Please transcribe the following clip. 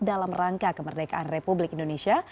dalam rangka kemerdekaan republik indonesia